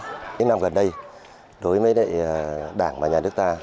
những năm gần đây đối với đảng và nhà nước ta